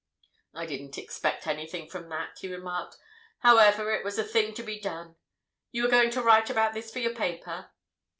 "I didn't expect anything from that," he remarked. "However, it was a thing to be done. You are going to write about this for your paper?"